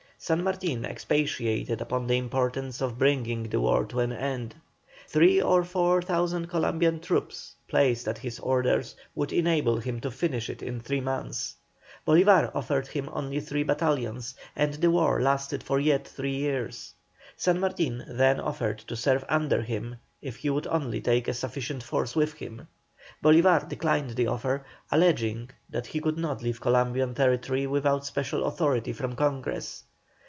San Martin expatiated upon the importance of bringing the war to an end. Three or four thousand Columbian troops, placed at his orders, would enable him to finish it in three months. Bolívar offered him only three battalions, and the war lasted for yet another three years. San Martin then offered to serve under him, if he would only take a sufficient force with him. Bolívar declined the offer, alleging that he could not leave Columbian territory without special authority from Congress.